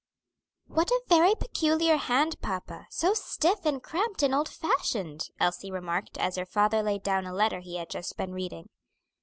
"What a very peculiar hand, papa; so stiff and cramped and old fashioned," Elsie remarked, as her father laid down a letter he had just been reading.